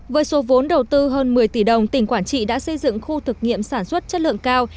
với số vốn đầu tư hơn một mươi tỷ đồng tỉnh quảng trị đã xây dựng khu thực nghiệm sản xuất chất lượng cao